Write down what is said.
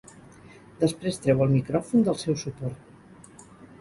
Després treu el micròfon del seu suport.